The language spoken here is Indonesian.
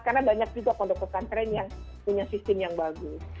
karena banyak juga pondok pesantren yang punya sistem yang bagus